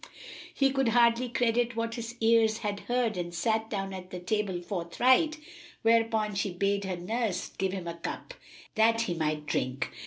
He could hardly credit what his ears had heard and sat down at the table forthright; whereupon she bade her nurse[FN#312] give him a cup, that he might drink.